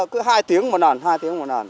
cứ hai tiếng một lần